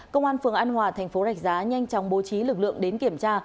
công an phường an hòa tp rạch giá nhanh chóng bố trí lực lượng đến kiểm tra